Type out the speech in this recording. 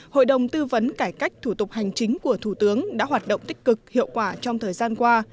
hội đồng tư vấn cải cách thủ tục hành chính của thủ tướng đã hoạt động tích cực hiệu quả trong thời gian qua